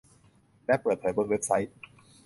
และเปิดเผยบนเว็บไซต์